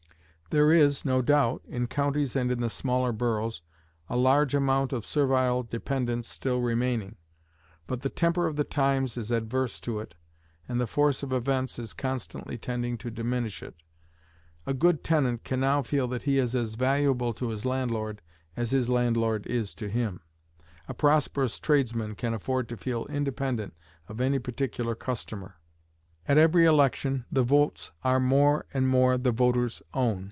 There is, no doubt, in counties and in the smaller boroughs, a large amount of servile dependence still remaining; but the temper of the times is adverse to it, and the force of events is constantly tending to diminish it. A good tenant can now feel that he is as valuable to his landlord as his landlord is to him; a prosperous tradesman can afford to feel independent of any particular customer. At every election the votes are more and more the voter's own.